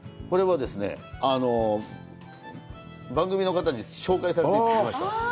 これはですね、番組の方に紹介されて行ってきました。